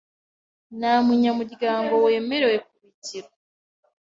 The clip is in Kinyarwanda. Nta munyamuryango wemerewe kubigira